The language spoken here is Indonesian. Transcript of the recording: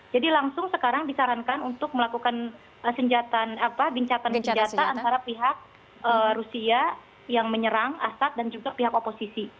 jadi langsung sekarang disarankan untuk melakukan gencatan senjata antara pihak rusia yang menyerang assad dan juga pihak oposisi